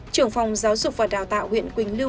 trưởng phòng giáo dục và đào tạo huyện quỳnh lưu